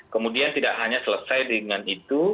kemudian tidak hanya selesai dengan itu